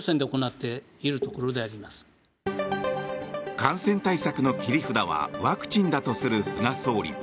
感染対策の切り札はワクチンだとする菅総理。